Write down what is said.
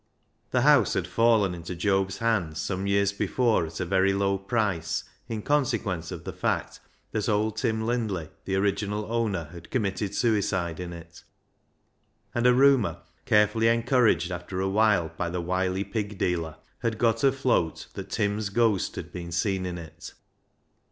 The house had fallen into Job's hands some years before at a very low price, in consequence of the fact that old Tim Lindley, the original owner, had committed suicide in it, and a rumour, carefully encouraged after a while by the wily pig dealer, had got afloat that Tim's ghost had been seen in it.